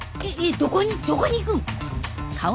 どこに行くん？